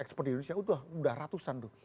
expert di indonesia itu udah ratusan tuh